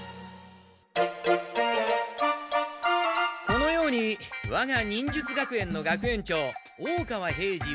このようにわが忍術学園の学園長大川平次